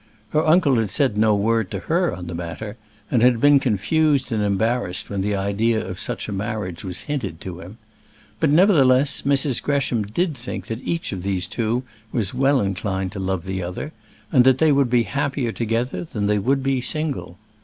Her uncle had said no word to her on the matter, and had been confused and embarrassed when the idea of such a marriage was hinted to him. But, nevertheless, Mrs. Gresham did think that each of these two was well inclined to love the other, and that they would be happier together than they would be single.